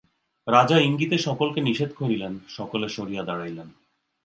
রাজা ইঙ্গিতে সকলকে নিষেধ করিলেন, সকলে সরিয়া দাঁড়াইলেন।